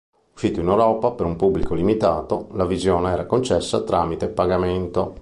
Uscito in Europa per un pubblico limitato, la visione era concessa tramite pagamento.